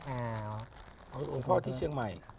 เอาหลวงพ่อที่เชียงใหม่